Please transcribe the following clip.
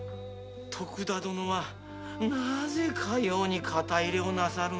徳田殿はなぜかように肩入れをなさるので？